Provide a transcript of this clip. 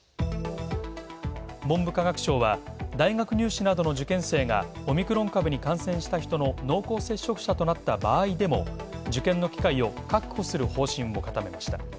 文部科学省は、大学入試などの受験生がオミクロン株に感染した人の濃厚接触者となった場合でも受験の機会を確保する方針を固めました。